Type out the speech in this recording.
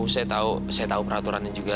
saya tau peraturan ini juga